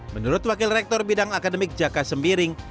menurut wakil rektor bidang akademik jaka sembiring